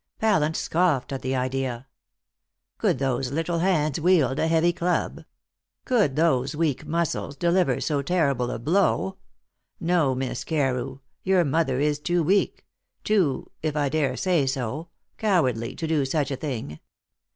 Pallant scoffed at the idea. "Could those little hands wield a heavy club? Could those weak muscles deliver so terrible a blow? No, Miss Carew; your mother is too weak, too if I dare say so cowardly, to do such a thing.